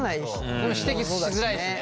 でも指摘しづらいしね。